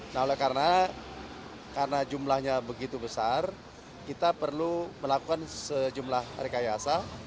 nah oleh karena jumlahnya begitu besar kita perlu melakukan sejumlah rekayasa